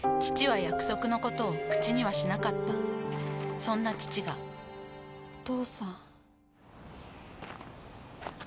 父は約束のことを口にはしなかったそんな父がお父さん。